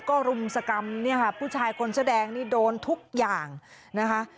ก็รุมสกรรมผู้ชายคนแสดงโดนทุกอย่างนะคะ